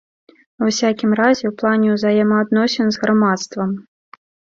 Ва ўсякім разе, у плане ўзаемаадносін з грамадствам.